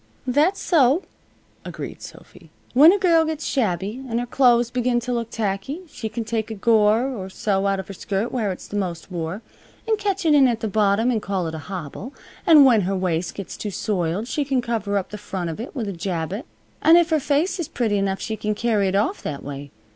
"That's so," agreed Sophy. "When a girl gets shabby, and her clothes begin t' look tacky she can take a gore or so out of her skirt where it's the most wore, and catch it in at the bottom, and call it a hobble. An' when her waist gets too soiled she can cover up the front of it with a jabot, an' if her face is pretty enough she can carry it off that way.